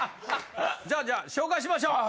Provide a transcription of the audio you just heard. じゃあじゃあ紹介しましょう。